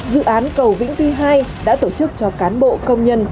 dự án cầu vĩnh tuy hai đã tổ chức cho cán bộ công nhân